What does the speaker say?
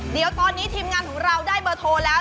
เดี๋ยวตอนนี้ทีมงานของเราได้เบอร์โทรแล้ว